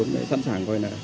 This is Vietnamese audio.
để sẵn sàng gọi là